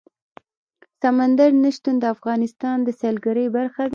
سمندر نه شتون د افغانستان د سیلګرۍ برخه ده.